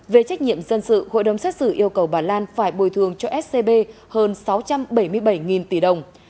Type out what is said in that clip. về trách nhiệm dân sự hội đồng xét xử yêu cầu bà lan phải bồi thường cho scb hơn sáu trăm bảy mươi bảy tỷ đồng